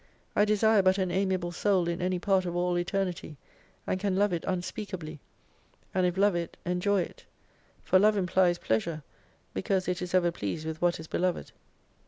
I desire but an amiable Soul in any part of all Eternity, and can love it unspeakably : And if love it, enjoy it. For love implies pleasure, because it is ever pleased with what is beloved.